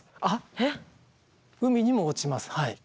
海にも落ちます。